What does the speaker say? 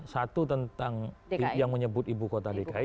satu tentang yang menyebut ibu kota dki